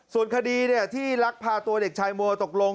ส่วนคดีที่ลักพาตัวเด็กชายโมตกลง